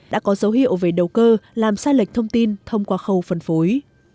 đã có dấu hiệu về đầu cơ làm sai lệch thông tin thông qua khâu phân phối